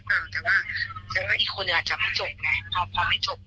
อ๋ออาจจะขอโทษกันไปแล้วหรือเปล่าแต่ว่าแต่ว่าอีกคนอาจจะไม่จบไง